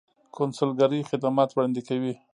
کونسلګرۍ خدمات وړاندې کوي